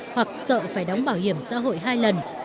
hoặc sợ phải đóng bảo hiểm xã hội hai lần